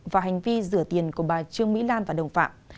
và hành vi rửa tiền của bà trương mỹ lan và đồng phạm